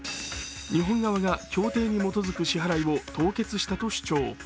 日本側が協定に基づく支払いを凍結したと主張。